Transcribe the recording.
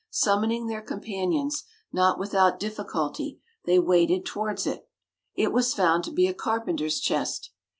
Summoning their companions, not without difficulty they waded towards it. It was found to be a carpenter's chest.